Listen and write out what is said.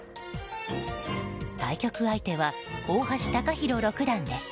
対局相手は大橋貴洸六段です。